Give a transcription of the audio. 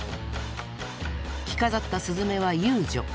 着飾ったスズメは遊女。